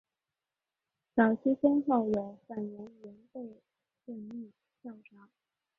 早期先后有范源濂被任命校长。